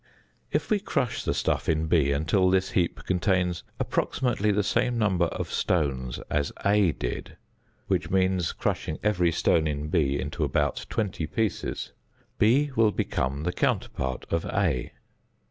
If we crush the stuff in B until this heap contains approximately the same number of stones as A did which means, crushing every stone in B into about twenty pieces B will become the counterpart of A.